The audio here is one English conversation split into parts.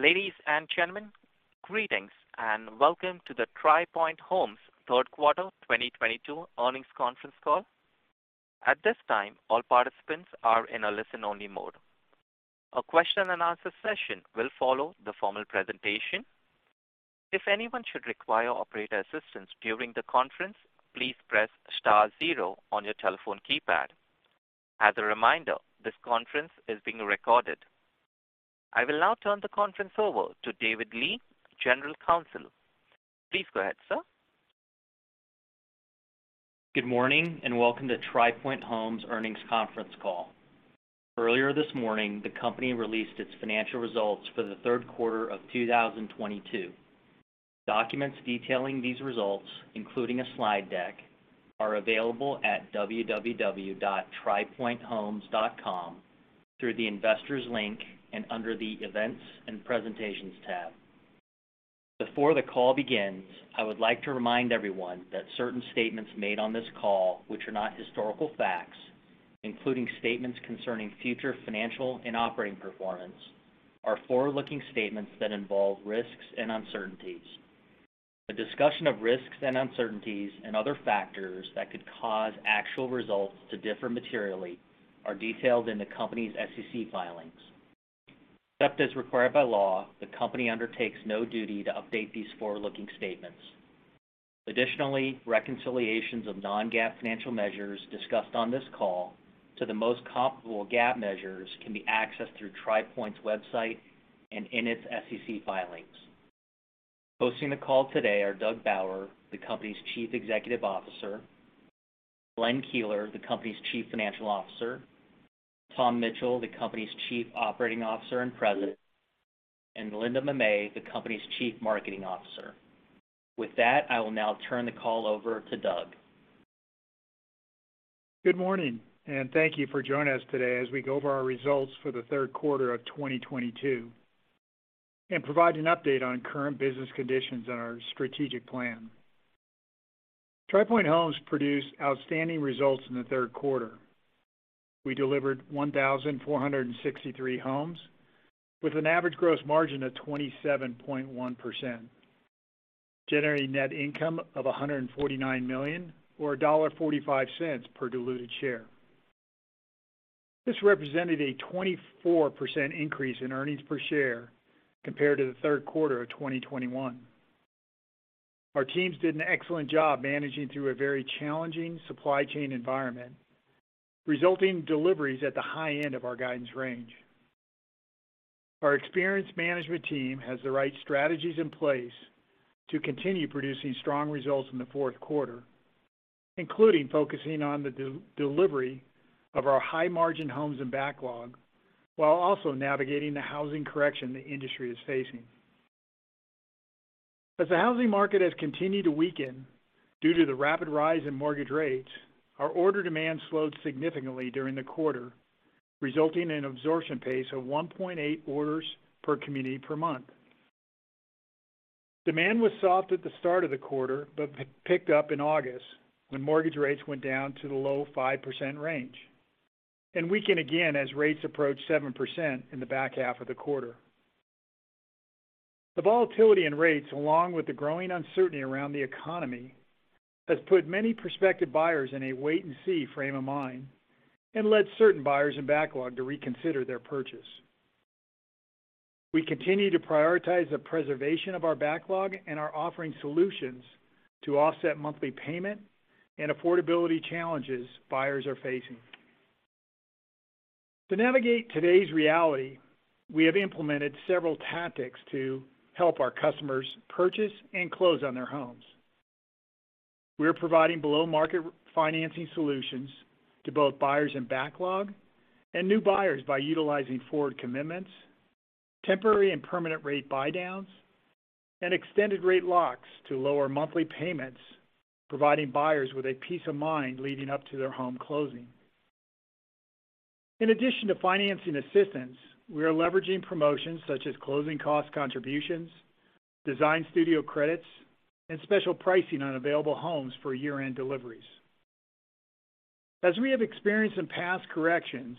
Ladies and gentlemen, greetings and welcome to the Tri Pointe Homes third quarter 2022 earnings conference call. At this time, all participants are in a listen-only mode. A question-and-answer session will follow the formal presentation. If anyone should require operator assistance during the conference, please press star zero on your telephone keypad. As a reminder, this conference is being recorded. I will now turn the conference over to David Lee, General Counsel. Please go ahead, sir. Good morning and welcome to Tri Pointe Homes earnings conference call. Earlier this morning, the company released its financial results for the third quarter of 2022. Documents detailing these results, including a slide deck, are available at www.tripointehomes.com through the investors link and under the events and presentations tab. Before the call begins, I would like to remind everyone that certain statements made on this call which are not historical facts, including statements concerning future financial and operating performance, are forward-looking statements that involve risks and uncertainties. A discussion of risks and uncertainties and other factors that could cause actual results to differ materially are detailed in the company's SEC filings. Except as required by law, the company undertakes no duty to update these forward-looking statements. Additionally, reconciliations of non-GAAP financial measures discussed on this call to the most comparable GAAP measures can be accessed through Tri Pointe's website and in its SEC filings. Hosting the call today are Doug Bauer, the company's Chief Executive Officer; Glenn Keeler, the company's Chief Financial Officer; Tom Mitchell, the company's Chief Operating Officer and President; and Linda Mamet, the company's Chief Marketing Officer. With that, I will now turn the call over to Doug. Good morning, and thank you for joining us today as we go over our results for the third quarter of 2022, and provide an update on current business conditions and our strategic plan. Tri Pointe Homes produced outstanding results in the third quarter. We delivered 1,463 homes with an average gross margin of 27.1%, generating net income of $149 million or $1.45 per diluted share. This represented a 24% increase in earnings per share compared to the third quarter of 2021. Our teams did an excellent job managing through a very challenging supply chain environment, resulting deliveries at the high end of our guidance range. Our experienced management team has the right strategies in place to continue producing strong results in the fourth quarter, including focusing on the delivery of our high-margin homes and backlog, while also navigating the housing correction the industry is facing. As the housing market has continued to weaken due to the rapid rise in mortgage rates, our order demand slowed significantly during the quarter, resulting in absorption pace of 1.8 orders per community per month. Demand was soft at the start of the quarter but picked up in August when mortgage rates went down to the low 5% range and weakened again as rates approached 7% in the back half of the quarter. The volatility in rates, along with the growing uncertainty around the economy, has put many prospective buyers in a wait-and-see frame of mind and led certain buyers in backlog to reconsider their purchase. We continue to prioritize the preservation of our backlog and are offering solutions to offset monthly payment and affordability challenges buyers are facing. To navigate today's reality, we have implemented several tactics to help our customers purchase and close on their homes. We are providing below-market financing solutions to both buyers in backlog and new buyers by utilizing forward commitments, temporary and permanent rate buydowns, and extended rate locks to lower monthly payments, providing buyers with a peace of mind leading up to their home closing. In addition to financing assistance, we are leveraging promotions such as closing cost contributions, design studio credits, and special pricing on available homes for year-end deliveries. As we have experienced in past corrections,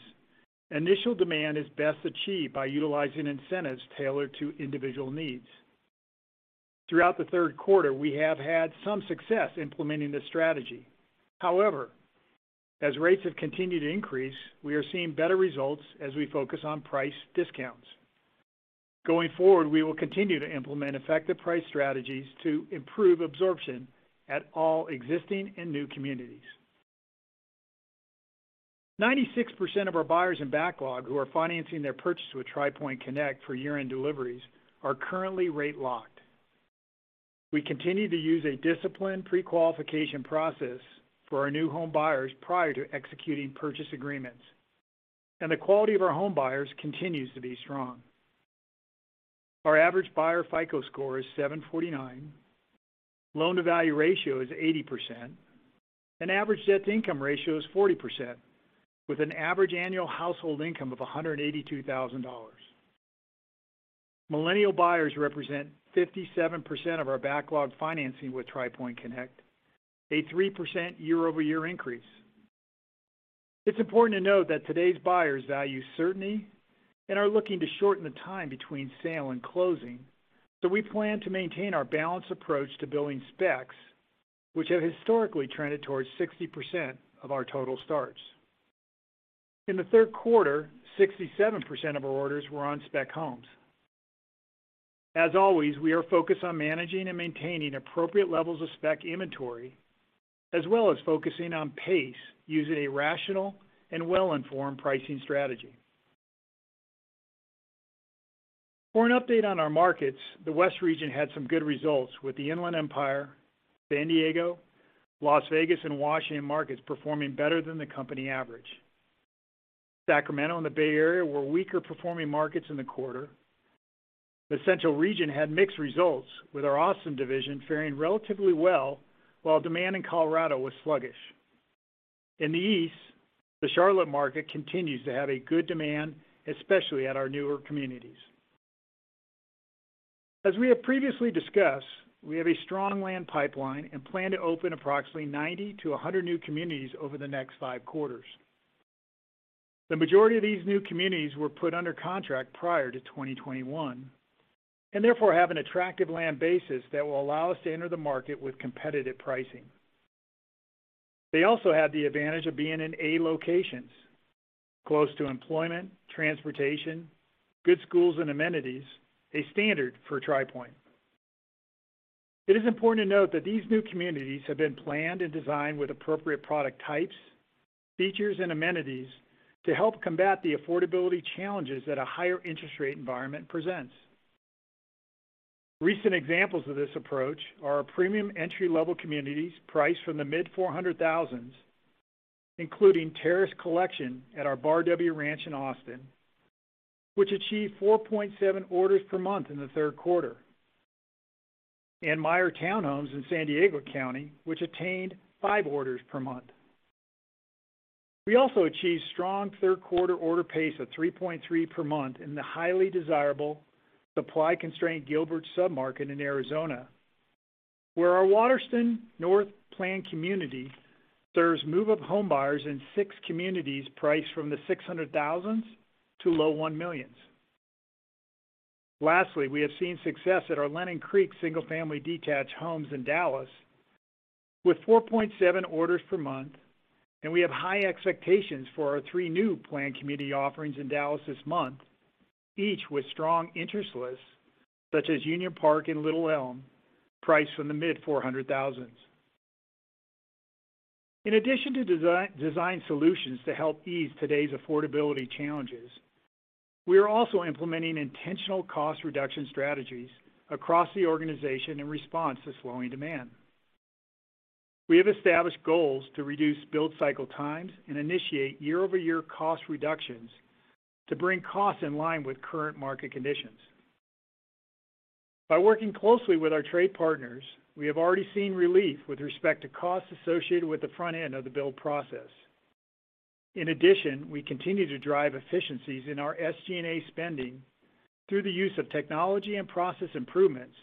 initial demand is best achieved by utilizing incentives tailored to individual needs. Throughout the third quarter, we have had some success implementing this strategy. However, as rates have continued to increase, we are seeing better results as we focus on price discounts. Going forward, we will continue to implement effective price strategies to improve absorption at all existing and new communities. 96% of our buyers in backlog who are financing their purchase with Tri Pointe Connect for year-end deliveries are currently rate locked. We continue to use a disciplined prequalification process for our new home buyers prior to executing purchase agreements, and the quality of our home buyers continues to be strong. Our average buyer FICO score is 749, loan-to-value ratio is 80%, and average debt-to-income ratio is 40%, with an average annual household income of $182,000. Millennial buyers represent 57% of our backlog financing with Tri Pointe Connect, a 3% year-over-year increase. It's important to note that today's buyers value certainty and are looking to shorten the time between sale and closing, so we plan to maintain our balanced approach to building specs, which have historically trended towards 60% of our total starts. In the third quarter, 67% of our orders were on spec homes. As always, we are focused on managing and maintaining appropriate levels of spec inventory, as well as focusing on pace using a rational and well-informed pricing strategy. For an update on our markets, the West region had some good results with the Inland Empire, San Diego, Las Vegas, and Washington markets performing better than the company average. Sacramento and the Bay Area were weaker performing markets in the quarter. The Central region had mixed results, with our Austin division faring relatively well, while demand in Colorado was sluggish. In the East, the Charlotte market continues to have a good demand, especially at our newer communities. As we have previously discussed, we have a strong land pipeline and plan to open approximately 90-100 new communities over the next five quarters. The majority of these new communities were put under contract prior to 2021 and therefore have an attractive land basis that will allow us to enter the market with competitive pricing. They also have the advantage of being in A locations, close to employment, transportation, good schools and amenities, a standard for Tri Pointe. It is important to note that these new communities have been planned and designed with appropriate product types, features and amenities to help combat the affordability challenges that a higher interest rate environment presents. Recent examples of this approach are our premium entry-level communities priced from the mid-$400,000s, including Terrace Collection at our Bar W Ranch in Leander, which achieved 4.7 orders per month in the third quarter. Meyer Townhomes in San Diego County, which attained five orders per month. We also achieved strong third quarter order pace of 3.3 per month in the highly desirable supply-constrained Gilbert sub-market in Arizona, where our Waterston North planned community serves move-up homebuyers in six communities priced from the $600,000s to low $1,000,000s. Lastly, we have seen success at our Lennon Creek single-family detached homes in Dallas with 4.7 orders per month, and we have high expectations for our three new planned community offerings in Dallas this month, each with strong interest lists, such as Union Park and Little Elm, priced from the mid-$400,000s. In addition to design solutions to help ease today's affordability challenges, we are also implementing intentional cost reduction strategies across the organization in response to slowing demand. We have established goals to reduce build cycle times and initiate year-over-year cost reductions to bring costs in line with current market conditions. By working closely with our trade partners, we have already seen relief with respect to costs associated with the front end of the build process. In addition, we continue to drive efficiencies in our SG&A spending through the use of technology and process improvements,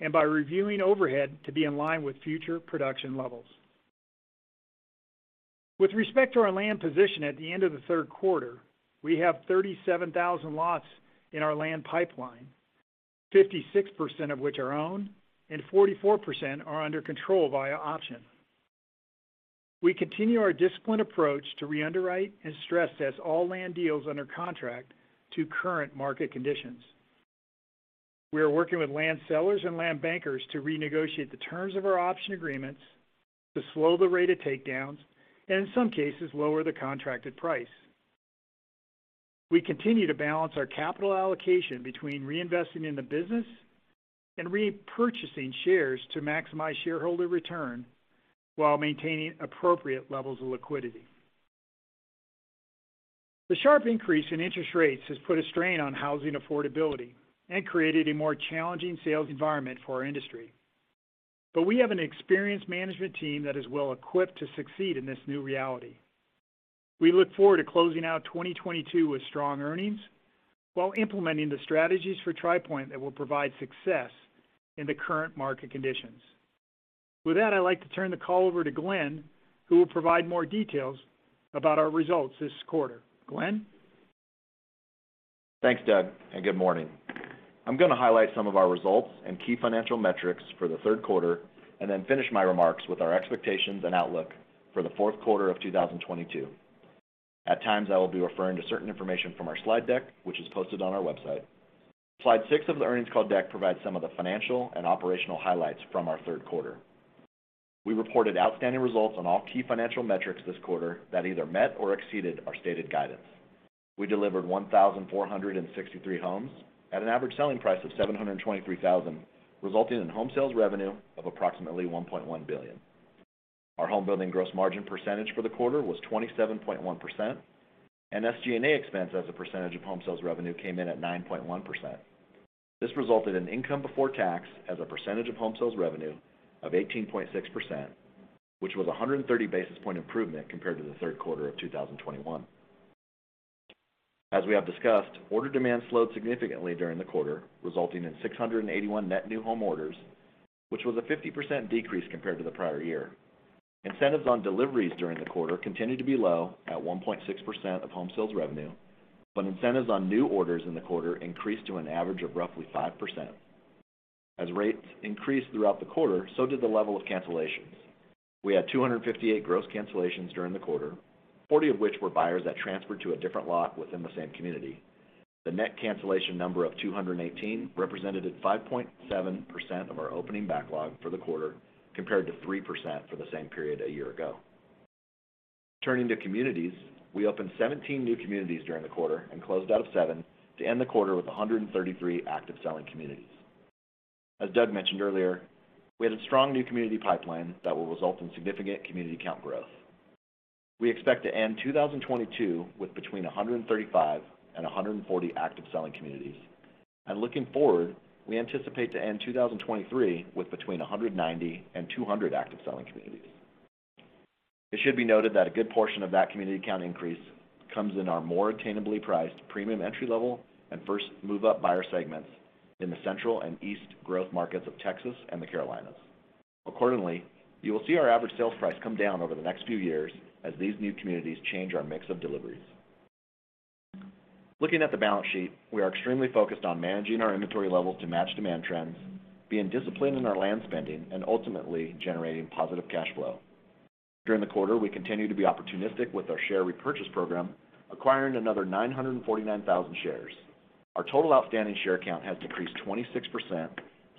and by reviewing overhead to be in line with future production levels. With respect to our land position at the end of the third quarter, we have 37,000 lots in our land pipeline, 56% of which are owned and 44% are under control via option. We continue our disciplined approach to re-underwrite and stress test all land deals under contract to current market conditions. We are working with land sellers and land bankers to renegotiate the terms of our option agreements to slow the rate of takedowns, and in some cases, lower the contracted price. We continue to balance our capital allocation between reinvesting in the business and repurchasing shares to maximize shareholder return while maintaining appropriate levels of liquidity. The sharp increase in interest rates has put a strain on housing affordability and created a more challenging sales environment for our industry. We have an experienced management team that is well equipped to succeed in this new reality. We look forward to closing out 2022 with strong earnings while implementing the strategies for Tri Pointe that will provide success in the current market conditions. With that, I'd like to turn the call over to Glenn, who will provide more details about our results this quarter. Glenn? Thanks, Doug, and good morning. I'm going to highlight some of our results and key financial metrics for the third quarter and then finish my remarks with our expectations and outlook for the fourth quarter of 2022. At times, I will be referring to certain information from our slide deck, which is posted on our website. Slide six of the earnings call deck provides some of the financial and operational highlights from our third quarter. We reported outstanding results on all key financial metrics this quarter that either met or exceeded our stated guidance. We delivered 1,463 homes at an average selling price of $723,000, resulting in home sales revenue of approximately $1.1 billion. Our homebuilding gross margin percentage for the quarter was 27.1%, and SG&A expense as a percentage of home sales revenue came in at 9.1%. This resulted in income before tax as a percentage of home sales revenue of 18.6%, which was a 130 basis point improvement compared to the third quarter of 2021. As we have discussed, order demand slowed significantly during the quarter, resulting in 681 net new home orders, which was a 50% decrease compared to the prior year. Incentives on deliveries during the quarter continued to be low at 1.6% of home sales revenue, but incentives on new orders in the quarter increased to an average of roughly 5%. As rates increased throughout the quarter, so did the level of cancellations. We had 258 gross cancellations during the quarter, 40 of which were buyers that transferred to a different lot within the same community. The net cancellation number of 218 represented a 5.7% of our opening backlog for the quarter, compared to 3% for the same period a year ago. Turning to communities, we opened 17 new communities during the quarter and closed seven to end the quarter with 133 active selling communities. As Doug mentioned earlier, we had a strong new community pipeline that will result in significant community count growth. We expect to end 2022 with between 135 and 140 active selling communities. Looking forward, we anticipate to end 2023 with between 190 and 200 active selling communities. It should be noted that a good portion of that community count increase comes in our more attainably priced premium entry level and first move up buyer segments in the central and east growth markets of Texas and the Carolinas. Accordingly, you will see our average sales price come down over the next few years as these new communities change our mix of deliveries. Looking at the balance sheet, we are extremely focused on managing our inventory levels to match demand trends, being disciplined in our land spending and ultimately generating positive cash flow. During the quarter, we continued to be opportunistic with our share repurchase program, acquiring another 949,000 shares. Our total outstanding share count has decreased 26%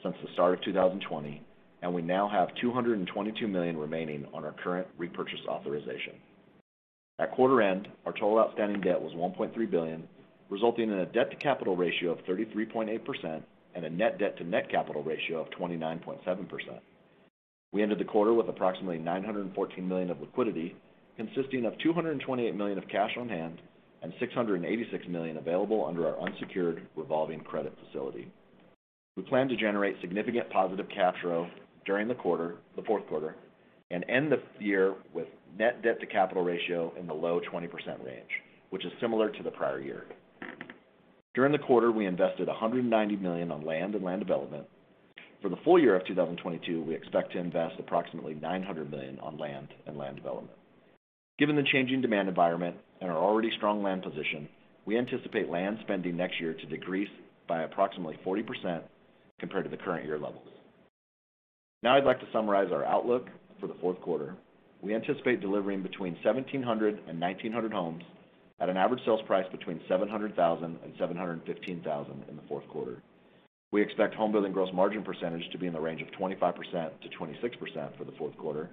since the start of 2020, and we now have 222 million remaining on our current repurchase authorization. At quarter end, our total outstanding debt was $1.3 billion, resulting in a debt to capital ratio of 33.8% and a net debt to net capital ratio of 29.7%. We ended the quarter with approximately $914 million of liquidity, consisting of $228 million of cash on hand and $686 million available under our unsecured revolving credit facility. We plan to generate significant positive cash flow during the quarter, the fourth quarter, and end the year with net debt to net capital ratio in the low 20% range, which is similar to the prior year. During the quarter, we invested $190 million on land and land development. For the full year of 2022, we expect to invest approximately $900 million on land and land development. Given the changing demand environment and our already strong land position, we anticipate land spending next year to decrease by approximately 40% compared to the current year levels. Now I'd like to summarize our outlook for the fourth quarter. We anticipate delivering between 1,700 and 1,900 homes at an average sales price between $700,000 and $715,000 in the fourth quarter. We expect homebuilding gross margin percentage to be in the range of 25%-26% for the fourth quarter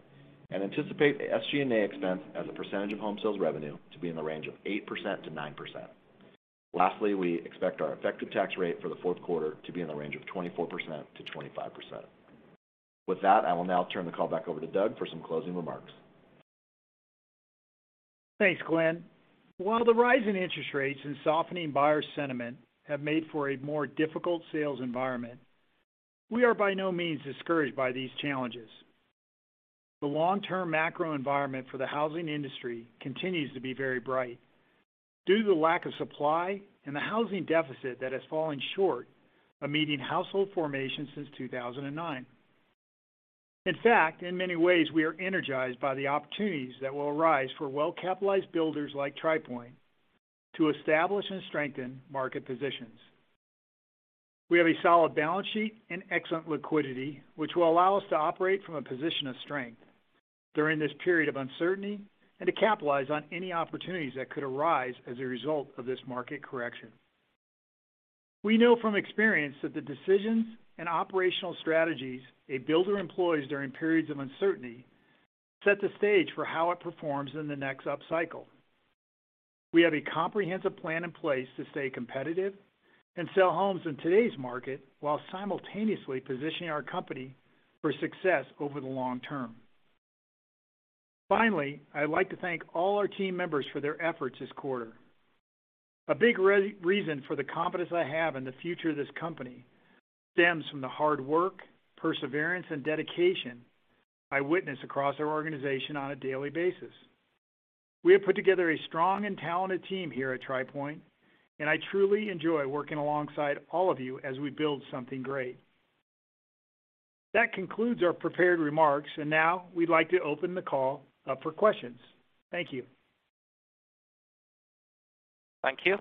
and anticipate SG&A expense as a percentage of home sales revenue to be in the range of 8%-9%. Lastly, we expect our effective tax rate for the fourth quarter to be in the range of 24%-25%. With that, I will now turn the call back over to Doug for some closing remarks. Thanks, Glenn. While the rise in interest rates and softening buyer sentiment have made for a more difficult sales environment, we are by no means discouraged by these challenges. The long-term macro environment for the housing industry continues to be very bright due to the lack of supply and the housing deficit that has fallen short of meeting household formation since 2009. In fact, in many ways, we are energized by the opportunities that will arise for well-capitalized builders like Tri Pointe to establish and strengthen market positions. We have a solid balance sheet and excellent liquidity, which will allow us to operate from a position of strength during this period of uncertainty and to capitalize on any opportunities that could arise as a result of this market correction. We know from experience that the decisions and operational strategies a builder employs during periods of uncertainty set the stage for how it performs in the next upcycle. We have a comprehensive plan in place to stay competitive and sell homes in today's market while simultaneously positioning our company for success over the long term. Finally, I'd like to thank all our team members for their efforts this quarter. A big reason for the confidence I have in the future of this company stems from the hard work, perseverance, and dedication I witness across our organization on a daily basis. We have put together a strong and talented team here at Tri Pointe, and I truly enjoy working alongside all of you as we build something great. That concludes our prepared remarks, and now we'd like to open the call up for questions. Thank you. Thank you.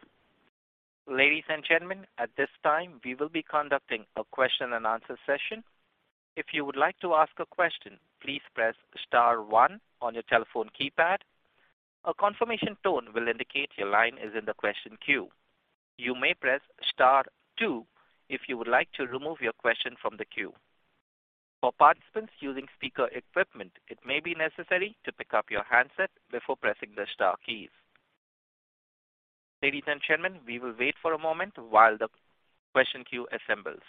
Ladies and gentlemen, at this time, we will be conducting a question-and-answer session. If you would like to ask a question, please press star one on your telephone keypad. A confirmation tone will indicate your line is in the question queue. You may press star two if you would like to remove your question from the queue. For participants using speaker equipment, it may be necessary to pick up your handset before pressing the star keys. Ladies and gentlemen, we will wait for a moment while the question queue assembles.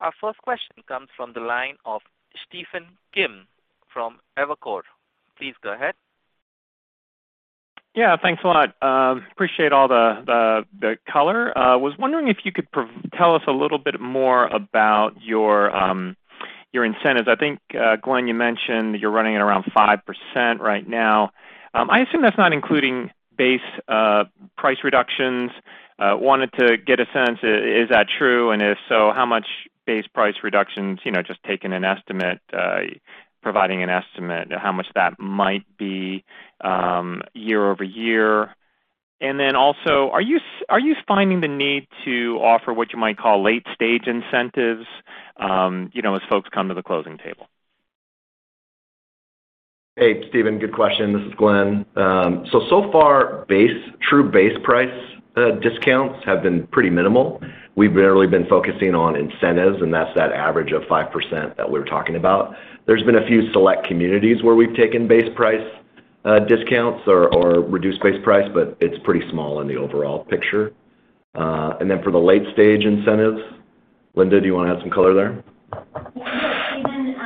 Our first question comes from the line of Stephen Kim from Evercore. Please go ahead. Yeah, thanks a lot. Appreciate all the color. Was wondering if you could tell us a little bit more about your incentives. I think, Glenn, you mentioned you're running at around 5% right now. I assume that's not including base price reductions. Wanted to get a sense, is that true? If so, how much base price reductions, you know, just taking an estimate, providing an estimate how much that might be, year-over-year. Also, are you finding the need to offer what you might call late-stage incentives, you know, as folks come to the closing table? Hey, Stephen, good question. This is Glenn. So far, true base price discounts have been pretty minimal. We've barely been focusing on incentives, and that's the average of 5% that we're talking about. There's been a few select communities where we've taken base price discounts or reduced base price, but it's pretty small in the overall picture. And then for the late-stage incentives, Linda, do you wanna add some color there? Yeah.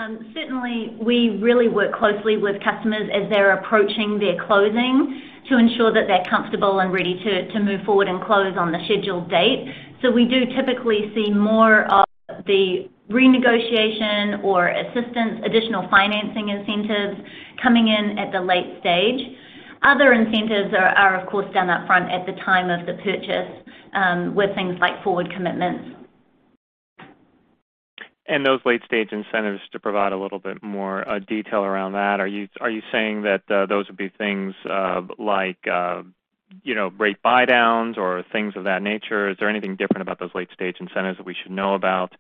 Sure, Stephen. Certainly we really work closely with customers as they're approaching their closing to ensure that they're comfortable and ready to move forward and close on the scheduled date. We do typically see more of the renegotiation or assistance, additional financing incentives coming in at the late stage. Other incentives are of course done upfront at the time of the purchase with things like forward commitments. Those late-stage incentives, to provide a little bit more detail around that, are you saying that those would be things like, you know, rate buydowns or things of that nature? Is there anything different about those late-stage incentives that we should know about?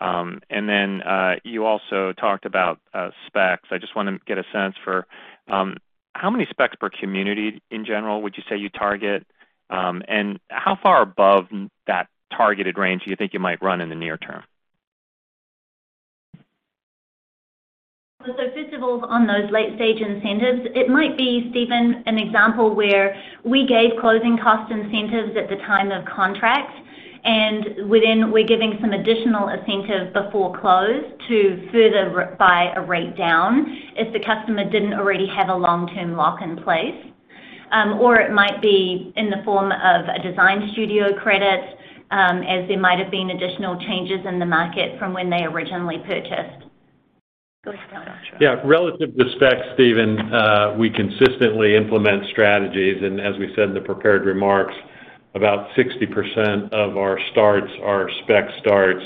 You also talked about specs. I just wanna get a sense for how many specs per community in general would you say you target, and how far above that targeted range do you think you might run in the near term? First of all, on those late-stage incentives, it might be, Stephen, an example where we gave closing cost incentives at the time of contract, and within, we're giving some additional incentives before close to further buy a rate down if the customer didn't already have a long-term lock in place. Or it might be in the form of a design studio credit, as there might have been additional changes in the market from when they originally purchased. Go ahead. Yeah. Relative to specs, Stephen, we consistently implement strategies, and as we said in the prepared remarks, about 60% of our starts are spec starts.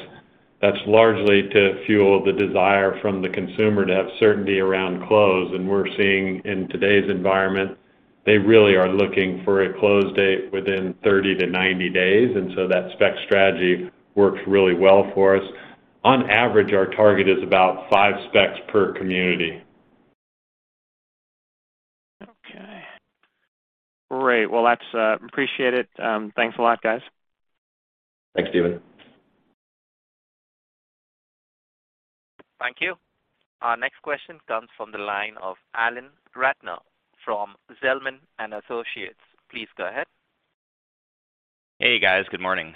That's largely to fuel the desire from the consumer to have certainty around close, and we're seeing in today's environment, they really are looking for a close date within 30-90 days, and so that spec strategy works really well for us. On average, our target is about five specs per community. Okay. Great. Well, that's appreciate it. Thanks a lot, guys. Thanks, Stephen. Thank you. Our next question comes from the line of Alan Ratner from Zelman & Associates. Please go ahead. Hey, guys. Good morning.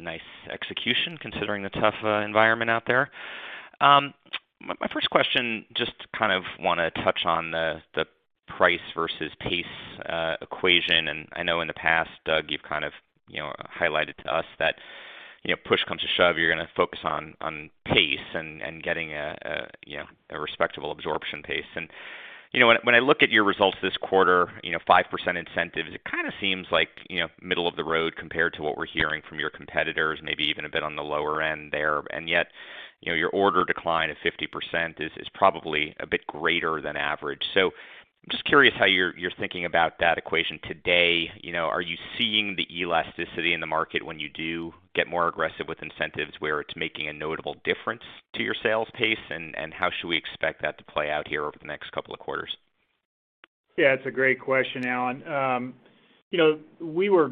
Nice execution considering the tough environment out there. My first question, just kind of wanna touch on the price versus pace equation. I know in the past, Doug, you've kind of, you know, highlighted to us that, you know, push comes to shove, you're gonna focus on pace and getting a, you know, a respectable absorption pace. You know, when I look at your results this quarter, you know, 5% incentives, it kinda seems like, you know, middle of the road compared to what we're hearing from your competitors, maybe even a bit on the lower end there. Yet, you know, your order decline of 50% is probably a bit greater than average. I'm just curious how you're thinking about that equation today. You know, are you seeing the elasticity in the market when you do get more aggressive with incentives, where it's making a notable difference to your sales pace, and how should we expect that to play out here over the next couple of quarters? Yeah, it's a great question, Alan. You know, we're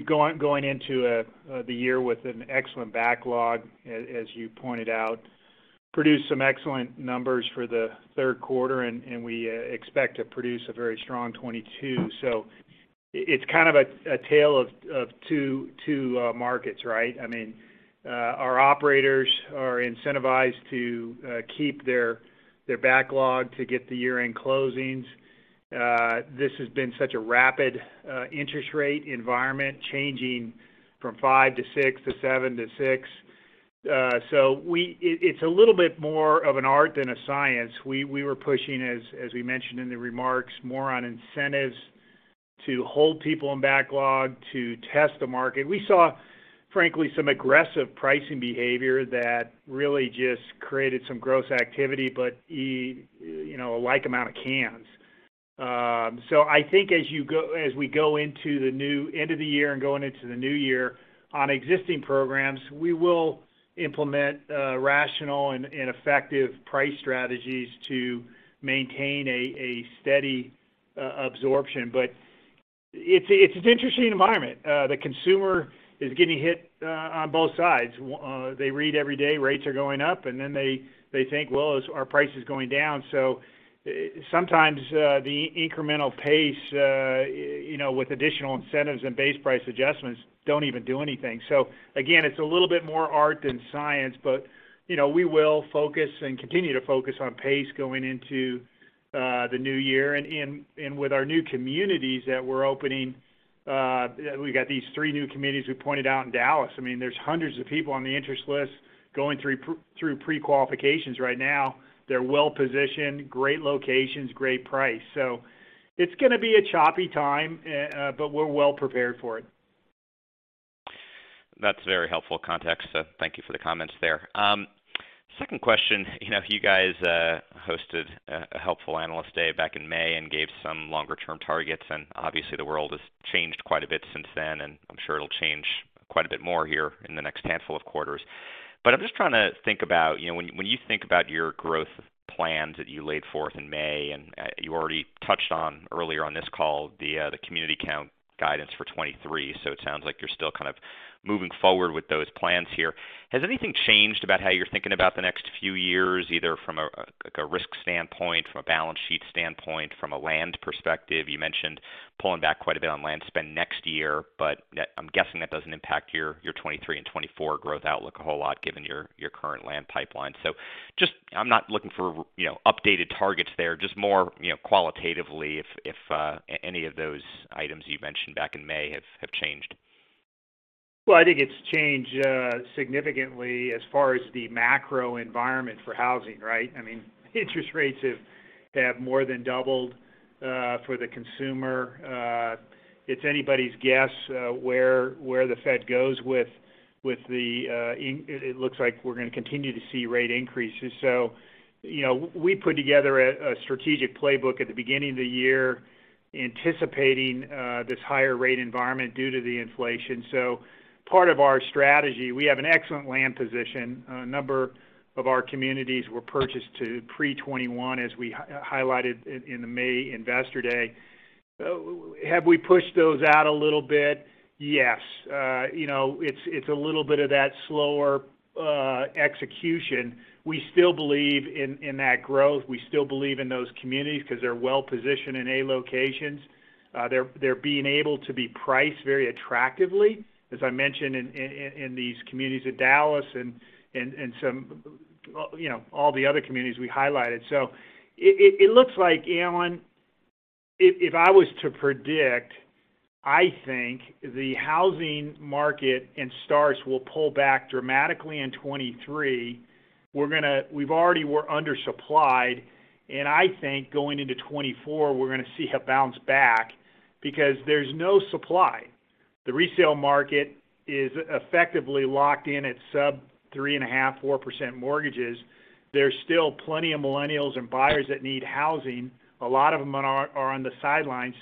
going into the year with an excellent backlog, as you pointed out, produced some excellent numbers for the third quarter, and we expect to produce a very strong 2022. It's kind of a tale of two markets, right? I mean, our operators are incentivized to keep their backlog to get the year-end closings. This has been such a rapid interest rate environment, changing from 5% to 6% to 7% to 6%. It's a little bit more of an art than a science. We were pushing, as we mentioned in the remarks, more on incentives to hold people in backlog, to test the market. We saw, frankly, some aggressive pricing behavior that really just created some gross activity, but you know a like amount of cancellations. I think as we go into the end of the year and going into the new year on existing programs, we will implement rational and effective price strategies to maintain a steady absorption. It's an interesting environment. The consumer is getting hit on both sides. They read every day rates are going up, and then they think, well, that our price is going down. Sometimes the incremental pace with additional incentives and base price adjustments don't even do anything. Again, it's a little bit more art than science, but, you know, we will focus and continue to focus on pace going into the new year. With our new communities that we're opening, we got these three new communities we pointed out in Dallas. I mean, there's hundreds of people on the interest list going through pre-qualifications right now. They're well positioned, great locations, great price. It's gonna be a choppy time, but we're well prepared for it. That's very helpful context. Thank you for the comments there. Second question. You know, you guys hosted a helpful analyst day back in May and gave some longer-term targets, and obviously, the world has changed quite a bit since then, and I'm sure it'll change quite a bit more here in the next handful of quarters. I'm just trying to think about, you know, when you think about your growth plans that you laid forth in May, and you already touched on earlier on this call the community count guidance for 2023, so it sounds like you're still kind of moving forward with those plans here. Has anything changed about how you're thinking about the next few years, either from a like a risk standpoint, from a balance sheet standpoint, from a land perspective? You mentioned pulling back quite a bit on land spend next year, but that, I'm guessing, doesn't impact your 2023 and 2024 growth outlook a whole lot given your current land pipeline. Just, I'm not looking for, you know, updated targets there. Just more, you know, qualitatively if any of those items you mentioned back in May have changed. Well, I think it's changed significantly as far as the macro environment for housing, right? I mean, interest rates have more than doubled for the consumer. It's anybody's guess where the Fed goes with it. It looks like we're gonna continue to see rate increases. You know, we put together a strategic playbook at the beginning of the year anticipating this higher rate environment due to the inflation. Part of our strategy, we have an excellent land position. A number of our communities were purchased pre-2021, as we highlighted in the May Investor Day. Have we pushed those out a little bit? Yes. You know, it's a little bit of that slower execution. We still believe in that growth. We still believe in those communities 'cause they're well positioned in A locations. They're being able to be priced very attractively, as I mentioned in these communities at Dallas and some, you know, all the other communities we highlighted. It looks like, Alan, if I was to predict, I think the housing market and starts will pull back dramatically in 2023. We're undersupplied, and I think going into 2024, we're gonna see a bounce back because there's no supply. The resale market is effectively locked in at sub 3.5%-4% mortgages. There's still plenty of millennials and buyers that need housing. A lot of them are on the sidelines.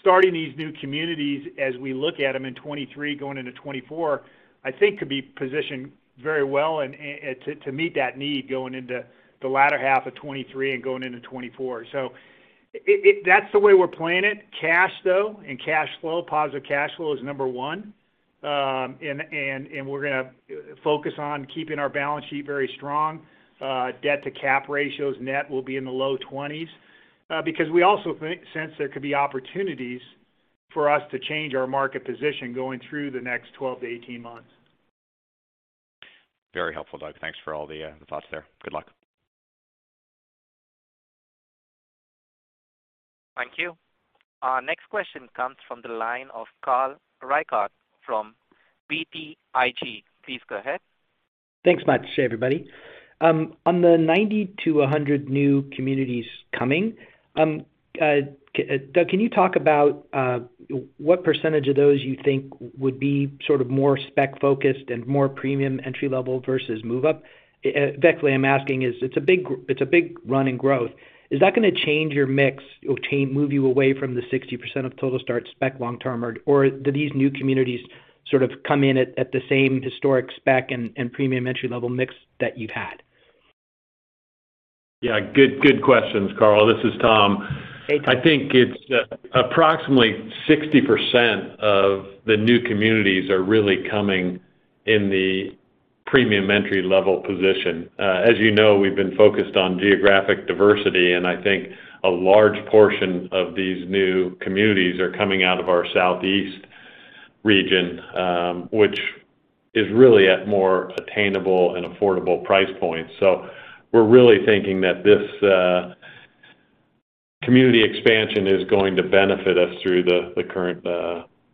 Starting these new communities as we look at them in 2023, going into 2024, I think could be positioned very well and to meet that need going into the latter half of 2023 and going into 2024. That's the way we're playing it. Cash, though, and cash flow, positive cash flow is number one. And we're gonna focus on keeping our balance sheet very strong. Debt-to-capital ratios net will be in the low 20s, because we also think since there could be opportunities for us to change our market position going through the next 12 to 18 months. Very helpful, Doug. Thanks for all the thoughts there. Good luck. Thank you. Our next question comes from the line of Carl Reichardt from BTIG. Please go ahead. Thanks, Matt. Hey, everybody. On the 90-100 new communities coming, Doug, can you talk about what percentage of those you think would be sort of more spec focused and more premium entry level versus move up? Effectively, I'm asking, is it a big run in growth. Is that gonna change your mix or move you away from the 60% of total start spec long term, or do these new communities sort of come in at the same historic spec and premium entry level mix that you've had? Yeah. Good, good questions, Carl. This is Tom. Hey, Tom. I think it's approximately 60% of the new communities are really coming in the premium entry level position. As you know, we've been focused on geographic diversity, and I think a large portion of these new communities are coming out of our southeast region, which is really at more attainable and affordable price points. We're really thinking that this community expansion is going to benefit us through the current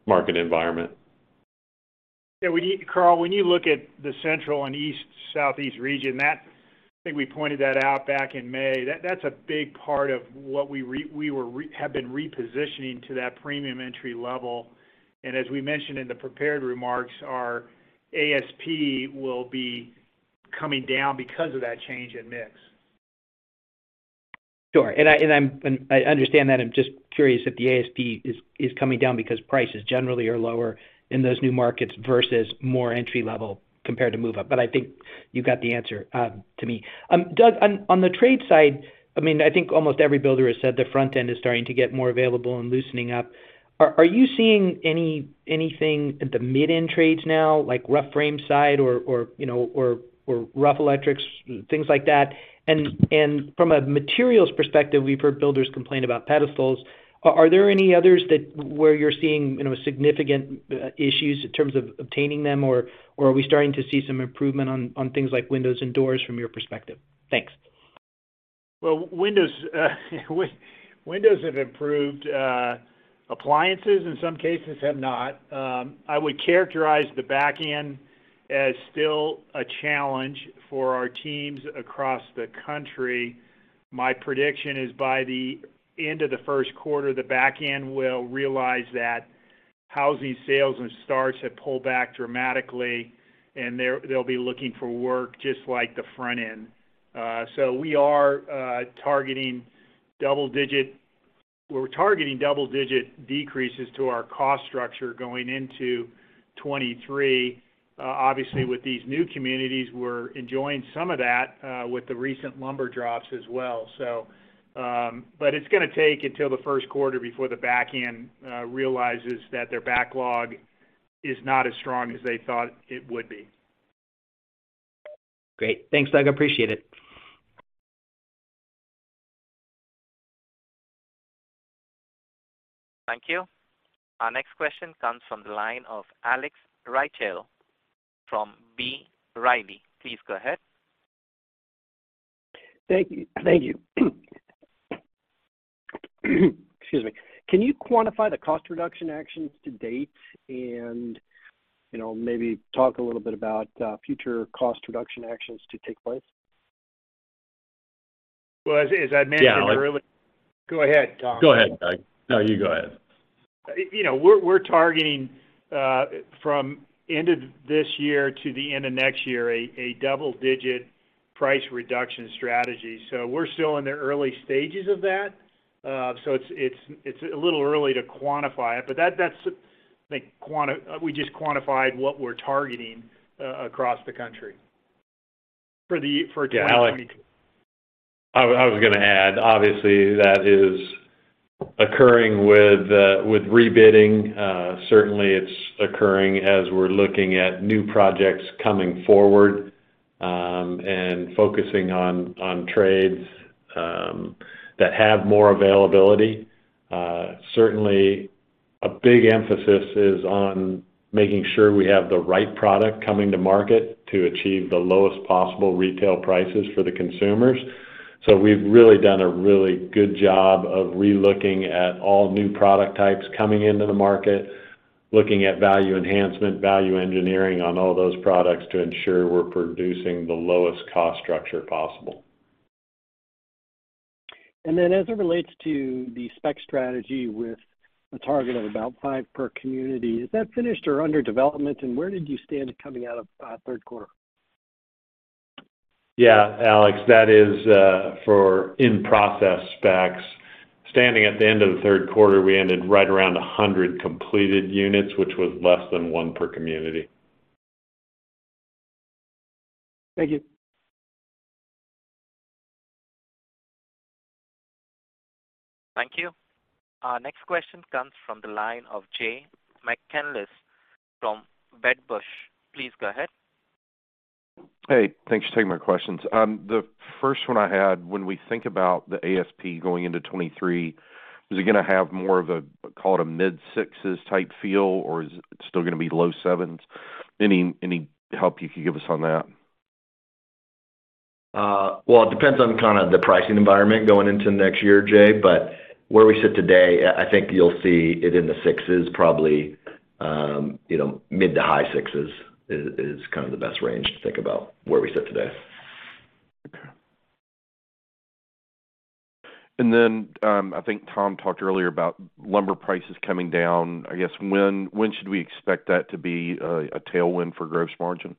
market environment. Yeah. Carl, when you look at the central and East Southeast region, I think we pointed that out back in May. That's a big part of what we have been repositioning to that premium entry level. As we mentioned in the prepared remarks, our ASP will be coming down because of that change in mix. Sure. I understand that. I'm just curious if the ASP is coming down because prices generally are lower in those new markets versus more entry level compared to move up. I think you got the answer to me. Doug, on the trade side, I mean, I think almost every builder has said their front end is starting to get more available and loosening up. Are you seeing anything at the mid-end trades now, like rough frame side or, you know, rough electrics, things like that? From a materials perspective, we've heard builders complain about pedestals. Are there any others that where you're seeing, you know, significant issues in terms of obtaining them? Or are we starting to see some improvement on things like windows and doors from your perspective? Thanks. Well, windows have improved. Appliances in some cases have not. I would characterize the back end as still a challenge for our teams across the country. My prediction is by the end of the first quarter, the back end will realize that housing sales and starts have pulled back dramatically, and they'll be looking for work just like the front end. We're targeting double-digit decreases to our cost structure going into 2023. Obviously, with these new communities, we're enjoying some of that with the recent lumber drops as well. It's gonna take until the first quarter before the back end realizes that their backlog is not as strong as they thought it would be. Great. Thanks, Doug. Appreciate it. Thank you. Our next question comes from the line of Alex Rygiel from B. Riley. Please go ahead. Thank you, thank you. Excuse me. Can you quantify the cost reduction actions to date and, you know, maybe talk a little bit about future cost reduction actions to take place? Well, as I mentioned earlier. Yeah, Alex. Go ahead, Tom. Go ahead, Doug. No, you go ahead. You know, we're targeting from end of this year to the end of next year, a double-digit price reduction strategy. We're still in the early stages of that. It's a little early to quantify it, but we just quantified what we're targeting across the country for 2020. Yeah, Alex, I was gonna add, obviously that is occurring with rebidding. Certainly, it's occurring as we're looking at new projects coming forward and focusing on trades that have more availability. Certainly, a big emphasis is on making sure we have the right product coming to market to achieve the lowest possible retail prices for the consumers. We've really done a really good job of re-looking at all new product types coming into the market, looking at value enhancement, value engineering on all those products to ensure we're producing the lowest cost structure possible. As it relates to the spec strategy with a target of about five per community, is that finished or under development, and where did you stand coming out of third quarter? Yeah, Alex, that is for in-process specs. Standing at the end of the third quarter, we ended right around 100 completed units, which was less than one per community. Thank you. Thank you. Our next question comes from the line of Jay McCanless from Wedbush. Please go ahead. Hey, thanks for taking my questions. The first one I had, when we think about the ASP going into 2023, is it gonna have more of a, call it a mid-sixes type feel, or is it still gonna be low sevens? Any help you could give us on that? Well, it depends on kind of the pricing environment going into next year, Jay. Where we sit today, I think you'll see it in the sixes probably. You know, mid to high sixes is kind of the best range to think about where we sit today. I think Tom talked earlier about lumber prices coming down. I guess when should we expect that to be a tailwind for gross margin?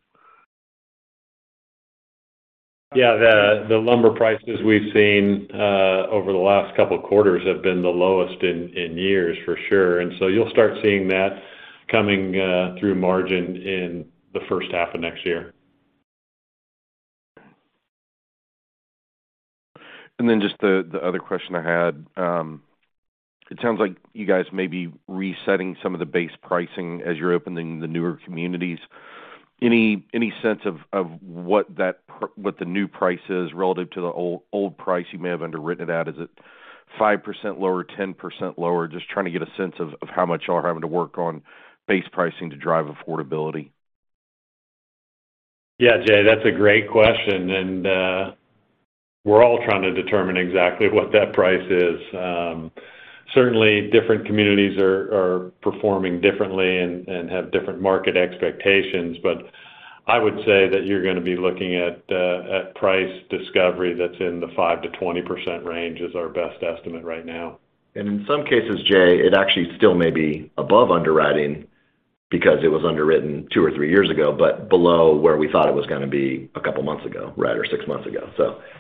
Yeah, the lumber prices we've seen over the last couple quarters have been the lowest in years for sure. You'll start seeing that coming through margin in the first half of next year. Just the other question I had. It sounds like you guys may be resetting some of the base pricing as you're opening the newer communities. Any sense of what the new price is relative to the old price you may have underwritten it at? Is it 5% lower, 10% lower? Just trying to get a sense of how much y'all are having to work on base pricing to drive affordability? Yeah, Jay, that's a great question, and we're all trying to determine exactly what that price is. Certainly different communities are performing differently and have different market expectations. I would say that you're gonna be looking at price discovery that's in the 5%-20% range is our best estimate right now. In some cases, Jay, it actually still may be above underwriting because it was underwritten two or three years ago, but below where we thought it was gonna be a couple months ago, right, or six months ago.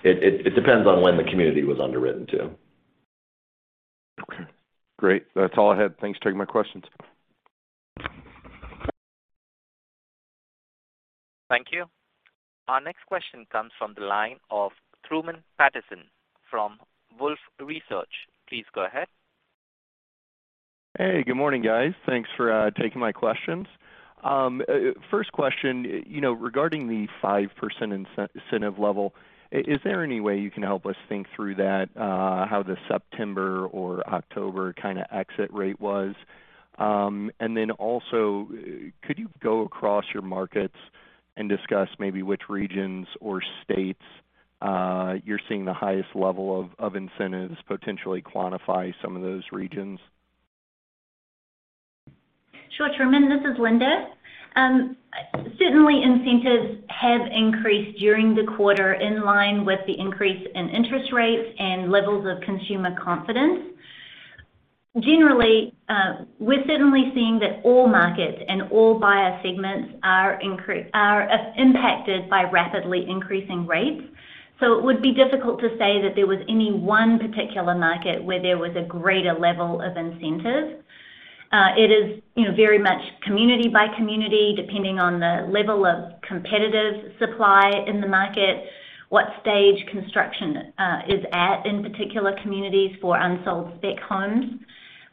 It depends on when the community was underwritten too. Okay, great. That's all I had. Thanks for taking my questions. Thank you. Our next question comes from the line of Truman Patterson from Wolfe Research. Please go ahead. Hey, good morning, guys. Thanks for taking my questions. First question, you know, regarding the 5% incentive level, is there any way you can help us think through that, how the September or October kind of exit rate was? Then also, could you go across your markets and discuss maybe which regions or states you're seeing the highest level of incentives, potentially quantify some of those regions? Sure, Truman. This is Linda. Certainly incentives have increased during the quarter in line with the increase in interest rates and levels of consumer confidence. Generally, we're certainly seeing that all markets and all buyer segments are impacted by rapidly increasing rates. It would be difficult to say that there was any one particular market where there was a greater level of incentives. It is, you know, very much community by community, depending on the level of competitive supply in the market, what stage construction is at in particular communities for unsold spec homes.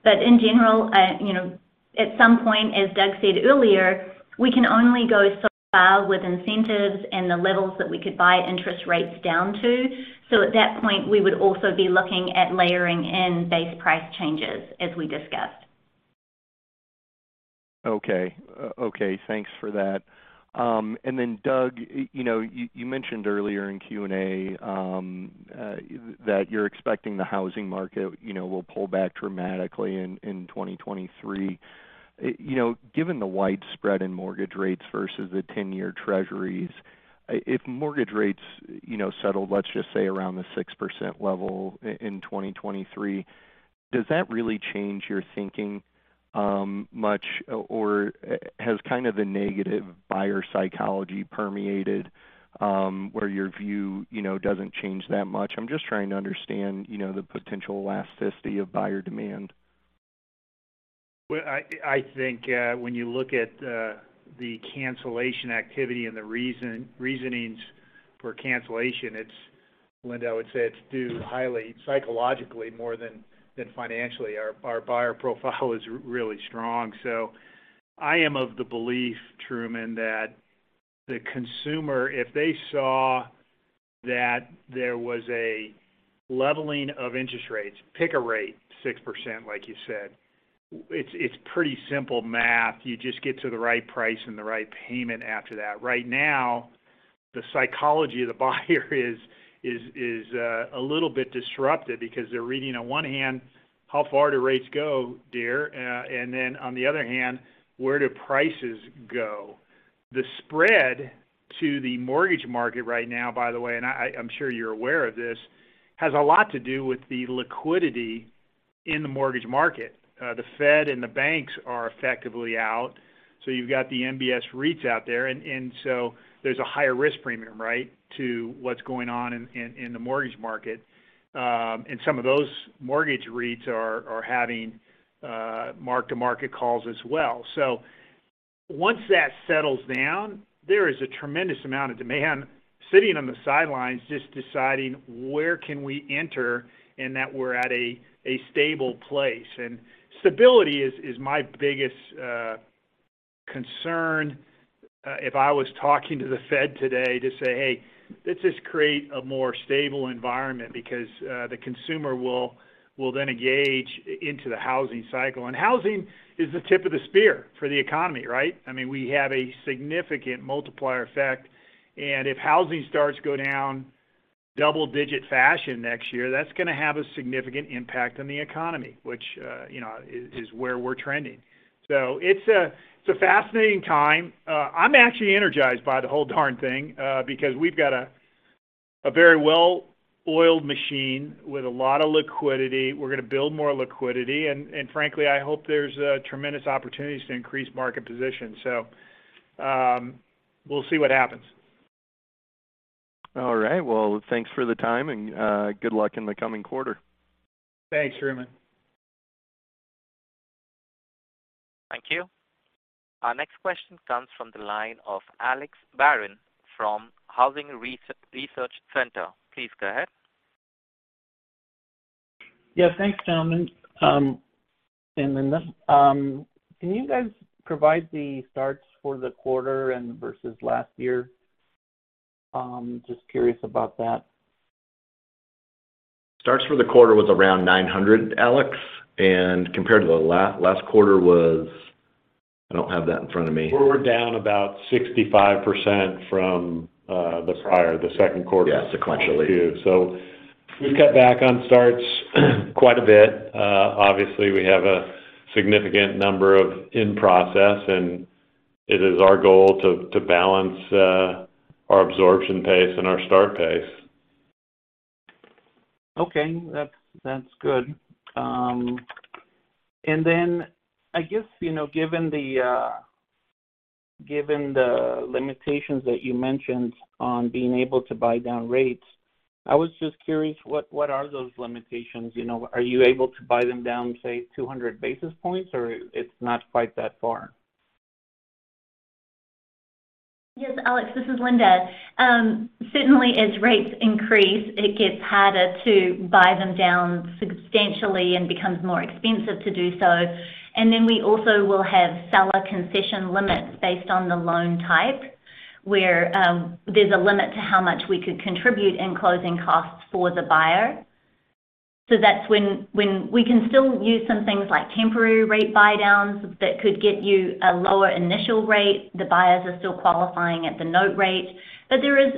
In general, you know, at some point, as Doug said earlier, we can only go so far with incentives and the levels that we could buy interest rates down to. At that point, we would also be looking at layering in base price changes as we discussed. Okay. Okay, thanks for that. Doug, you know, you mentioned earlier in Q&A that you're expecting the housing market, you know, will pull back dramatically in 2023. You know, given the wide spread in mortgage rates versus the ten-year treasuries, if mortgage rates, you know, settle, let's just say around the 6% level in 2023, does that really change your thinking much? Has kind of the negative buyer psychology permeated where your view, you know, doesn't change that much? I'm just trying to understand, you know, the potential elasticity of buyer demand. Well, I think when you look at the cancellation activity and the reasons for cancellation, it's Linda would say it's due highly psychologically more than financially. Our buyer profile is really strong. I am of the belief, Truman, that the consumer, if they saw that there was a leveling of interest rates, pick a rate, 6%, like you said, it's pretty simple math. You just get to the right price and the right payment after that. Right now, the psychology of the buyer is a little bit disrupted because they're reading on one hand, how far do rates go, dear? And then on the other hand, where do prices go? The spread to the mortgage market right now, by the way, and I'm sure you're aware of this, has a lot to do with the liquidity in the mortgage market. The Fed and the banks are effectively out, so you've got the MBS REITs out there. There's a higher risk premium, right, to what's going on in the mortgage market. Some of those mortgage REITs are having mark-to-market calls as well. Once that settles down, there is a tremendous amount of demand sitting on the sidelines, just deciding where can we enter and that we're at a stable place. Stability is my biggest concern. If I was talking to the Fed today to say, "Hey, let's just create a more stable environment," because the consumer will then engage into the housing cycle. Housing is the tip of the spear for the economy, right? I mean, we have a significant multiplier effect, and if housing starts to go down double-digit fashion next year, that's going to have a significant impact on the economy, which, you know, is where we're trending. It's a fascinating time. I'm actually energized by the whole darn thing, because we've got a very well-oiled machine with a lot of liquidity. We're going to build more liquidity, and frankly, I hope there's tremendous opportunities to increase market position. We'll see what happens. All right. Well, thanks for the time and good luck in the coming quarter. Thanks, Truman. Thank you. Our next question comes from the line of Alex Barron from Housing Research Center. Please go ahead. Yeah, thanks, gentlemen, and Linda. Can you guys provide the starts for the quarter and versus last year? Just curious about that. Starts for the quarter was around 900, Alex. Compared to the last quarter, I don't have that in front of me. We're down about 65% from the second quarter. Yeah, sequentially. -of 2022. We've cut back on starts quite a bit. Obviously, we have a significant number of in-process, and it is our goal to balance our absorption pace and our start pace. Okay. That's good. I guess, you know, given the limitations that you mentioned on being able to buy down rates, I was just curious, what are those limitations? You know, are you able to buy them down, say, 200 basis points, or it's not quite that far? Yes, Alex, this is Linda. Certainly as rates increase, it gets harder to buy them down substantially and becomes more expensive to do so. Then we also will have seller concession limits based on the loan type, where there's a limit to how much we could contribute in closing costs for the buyer. That's when we can still use some things like temporary rate buydowns that could get you a lower initial rate. The buyers are still qualifying at the note rate, but there is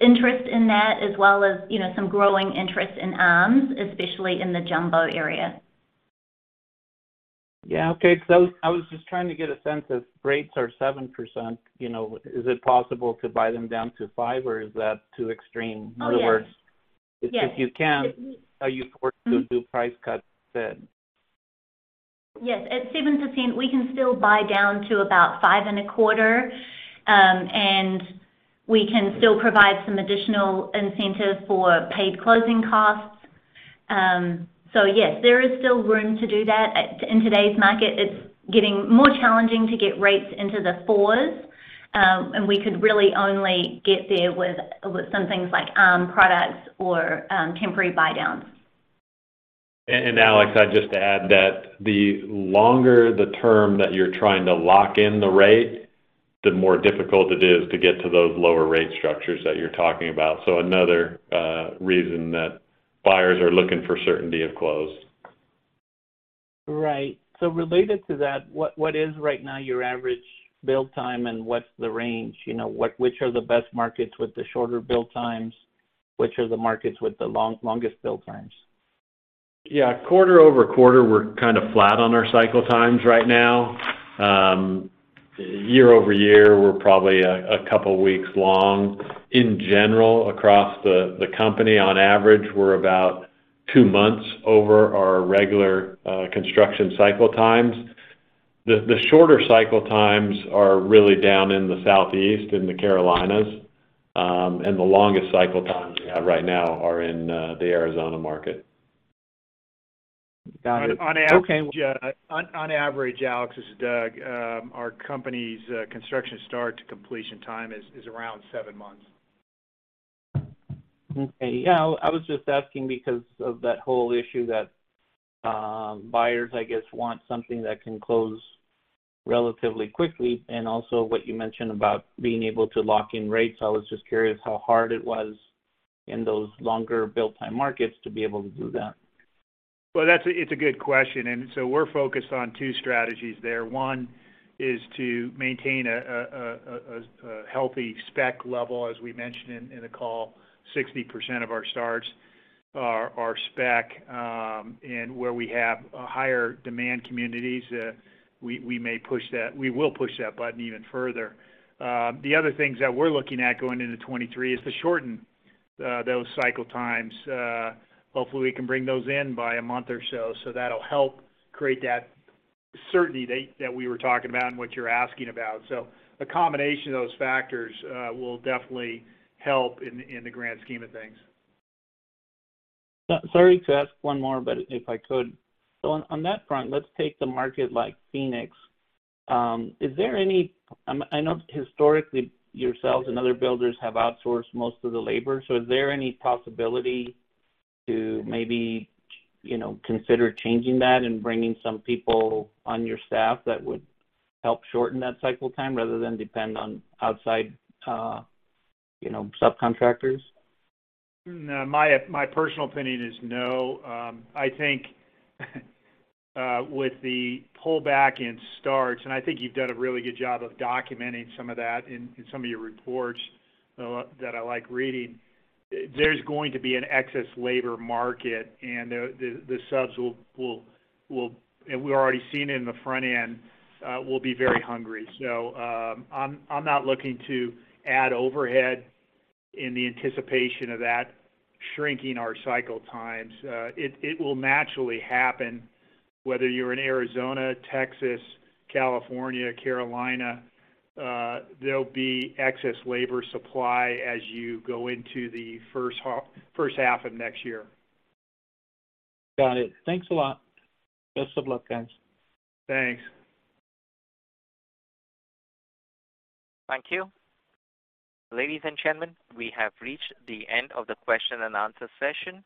interest in that as well as, you know, some growing interest in ARMs, especially in the jumbo area. Yeah. Okay. I was just trying to get a sense if rates are 7%, you know, is it possible to buy them down to 5%, or is that too extreme? Oh, yes. In other words. Yes. If you can't, are you forced to do price cuts then? Yes. At 7%, we can still buy down to about 5.25, and we can still provide some additional incentive for paid closing costs. Yes, there is still room to do that. In today's market, it's getting more challenging to get rates into the fours, and we could really only get there with some things like products or temporary buydowns. Alex, I'd just add that the longer the term that you're trying to lock in the rate, the more difficult it is to get to those lower rate structures that you're talking about. Another reason that buyers are looking for certainty of close. Right. Related to that, what is right now your average build time and what's the range? You know, which are the best markets with the shorter build times, which are the markets with the longest build times? Yeah. Quarter-over-quarter, we're kind of flat on our cycle times right now. Year-over-year, we're probably a couple weeks long. In general, across the company on average, we're about two months over our regular construction cycle times. The shorter cycle times are really down in the Southeast in the Carolinas. The longest cycle times we have right now are in the Arizona market. Got it. On average, Alex, this is Doug, our company's construction start to completion time is around seven months. Okay. Yeah. I was just asking because of that whole issue that buyers, I guess, want something that can close relatively quickly and also what you mentioned about being able to lock in rates. I was just curious how hard it was in those longer build time markets to be able to do that. Well, that's a good question. We're focused on two strategies there. One is to maintain a healthy spec level. As we mentioned in the call, 60% of our starts are spec, and where we have higher demand communities, we may push that. We will push that button even further. The other things that we're looking at going into 2023 is to shorten those cycle times. Hopefully, we can bring those in by a month or so that'll help create that certainty date that we were talking about and what you're asking about. A combination of those factors will definitely help in the grand scheme of things. Sorry to ask one more, but if I could. On that front, let's take the market like Phoenix. I know historically your sales and other builders have outsourced most of the labor. Is there any possibility to maybe, you know, consider changing that and bringing some people on your staff that would help shorten that cycle time rather than depend on outside, you know, subcontractors? No, my personal opinion is no. I think with the pullback in starts, and I think you've done a really good job of documenting some of that in some of your reports that I like reading. There's going to be an excess labor market, and the subs will be very hungry. We're already seeing it in the front end. I'm not looking to add overhead in the anticipation of that shrinking our cycle times. It will naturally happen whether you're in Arizona, Texas, California, Carolina. There'll be excess labor supply as you go into the first half of next year. Got it. Thanks a lot. Best of luck, guys. Thanks. Thank you. Ladies and gentlemen, we have reached the end of the question and answer session.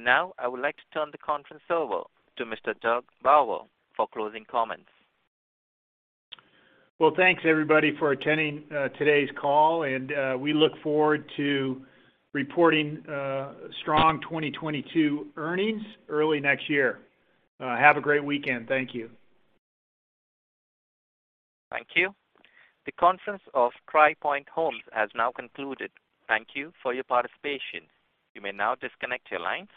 Now I would like to turn the conference over to Mr. Doug Bauer for closing comments. Well, thanks everybody for attending today's call, and we look forward to reporting strong 2022 earnings early next year. Have a great weekend. Thank you. Thank you. The conference of Tri Pointe Homes has now concluded. Thank you for your participation. You may now disconnect your lines.